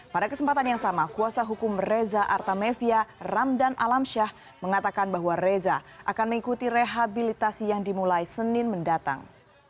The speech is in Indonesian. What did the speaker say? pada kesempatan yang sama kuasa hukum reza artamevia ramdan alamsyah mengatakan bahwa reza akan mengikuti rehabilitasi yang dimulai senin mendatang